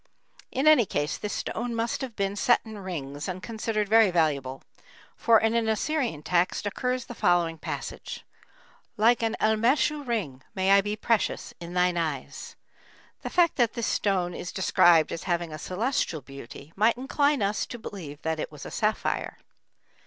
In any case this stone must have been set in rings and considered very valuable, for in an Assyrian text occurs the following passage: "Like an elmêshu ring may I be precious in thine eyes." The fact that this stone is described as having "a celestial beauty" might incline us to believe that it was a sapphire.